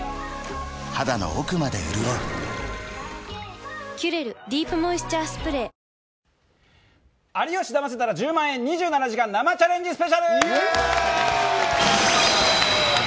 肌の奥まで潤う「キュレルディープモイスチャースプレー」「有吉ダマせたら１０万円２７時間生チャレンジＳＰ」